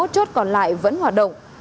hai mươi một chốt còn lại vẫn hoạt động